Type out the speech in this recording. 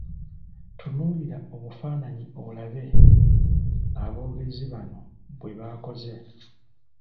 Tunuulira obufaananyi olabe aboogezi bano bwe bakoze.